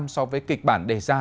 so với kịch bản đề ra